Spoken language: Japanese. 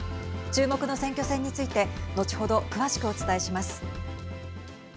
注目の選挙戦について後ほど詳しくお伝えします。